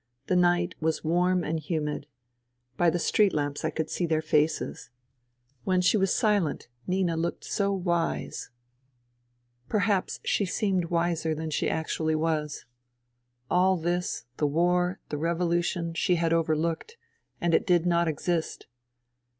The night was warm and humid. By the street lamps I could see their faces. When she was silent Nina looked so wise. Perhaps she 98 FUTILITY seemed wiser than she actually was. All this — the war, the revolution — she had overlooked : and it did not exist.